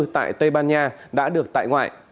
tại tây ban nha đã được tại ngoại